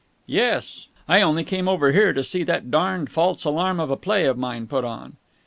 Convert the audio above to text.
"Yes. I only came over here to see that darned false alarm of a play of mine put on."